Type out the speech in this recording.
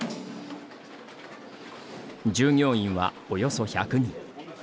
従業員は、およそ１００人。